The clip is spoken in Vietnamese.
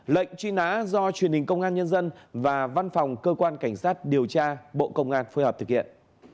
lệnh truy nã do truyền hình công an nhân dân và văn phòng cơ quan cảnh sát điều tra bộ công an phối hợp thực hiện